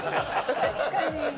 確かに。